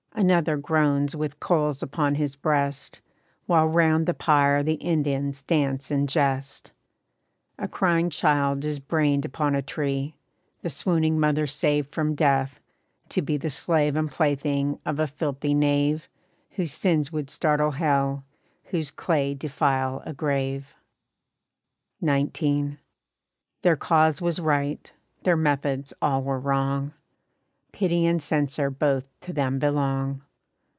Another groans with coals upon his breast, While 'round the pyre the Indians dance and jest. A crying child is brained upon a tree, The swooning mother saved from death, to be The slave and plaything of a filthy knave, Whose sins would startle hell, whose clay defile a grave. XIX. Their cause was right, their methods all were wrong. Pity and censure both to them belong.